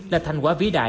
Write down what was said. là thành quả vĩ đại